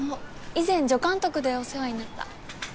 以前助監督でお世話になった。